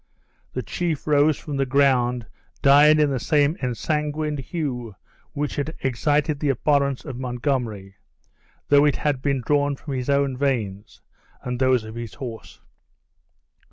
The chief rose from the ground dyed in the same ensanguined hue which had excited the abhorrence of Montgomery, though it had been drawn from his own veins, and those of his horse.